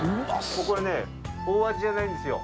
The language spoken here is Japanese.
これね大味じゃないんですよ。